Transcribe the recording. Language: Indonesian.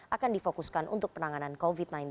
akan difokuskan untuk penanganan covid sembilan belas